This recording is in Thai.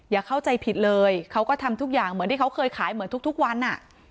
อย่าเข้าใจผิดเลยเขาก็ทำทุกอย่างเหมือนที่เขาเคยขายเหมือนทุกวัน